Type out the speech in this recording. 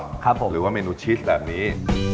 หรือว่าเมนูชีสแบบนี้